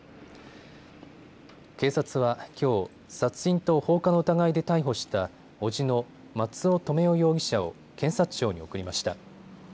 警察はきょう殺人と放火の疑いで逮捕した伯父の松尾留与容疑者を検察庁に送りました。